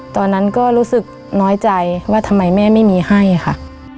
ตอนนั้นก็รู้สึกน้อยใจว่าทำไมแม่ไม่มีให้ค่ะ